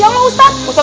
ya allah ustadz ya